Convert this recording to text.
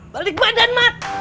balik badan mat